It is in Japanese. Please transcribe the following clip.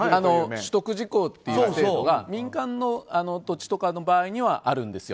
取得時効という制度が民間の土地とかの場合にはあるんですよ。